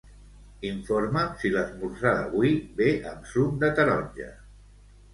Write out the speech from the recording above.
Informa'm si l'esmorzar d'avui ve amb suc de taronja.